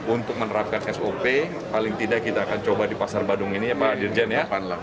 untuk menerapkan sop paling tidak kita akan coba di pasar badung ini ya pak dirjen ya